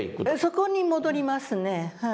そこに戻りますね。